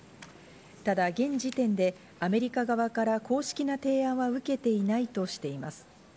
ただ現時点でアメリカ側から公式な提案は受けていないとしています。